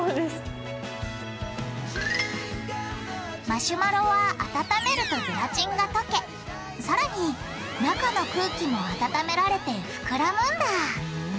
マシュマロは温めるとゼラチンが溶けさらに中の空気も温められてふくらむんだふん。